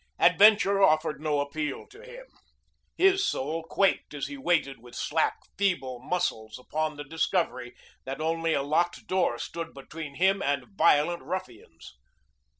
Adventure offered no appeal to him. His soul quaked as he waited with slack, feeble muscles upon the discovery that only a locked door stood between him and violent ruffians.